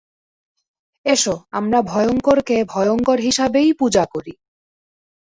S, আমরা ভয়ঙ্করকে ভয়ঙ্কর হিসাবেই পূজা করি।